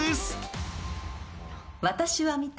［「私は見た。